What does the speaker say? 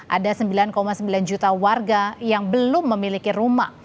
ada sembilan sembilan juta warga yang belum memiliki rumah